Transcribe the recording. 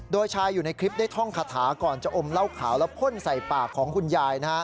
โดยชายอยู่ในคลิปได้ท่องคาถาก่อนจะอมเหล้าขาวแล้วพ่นใส่ปากของคุณยาย